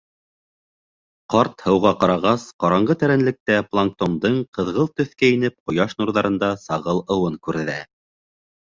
Ҡарт һыуға ҡарағас, ҡараңғы тәрәнлектә планктондың ҡыҙғылт төҫкә инеп ҡояш нурҙарында сағыл ыуын күрҙе.